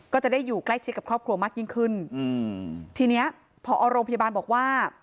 ก็จะได้อยู่ใกล้ชิดกับครอบครัวมากยิ่งขึ้นอืมทีเนี้ยพอโรงพยาบาลบอกว่า